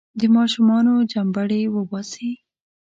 د ماشومانو چمبړې وباسي.